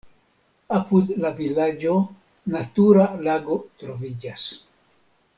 Apud la vilaĝo natura lago troviĝas.